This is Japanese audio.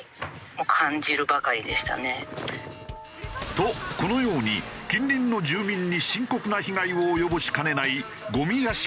とこのように近隣の住民に深刻な被害を及ぼしかねないゴミ屋敷問題。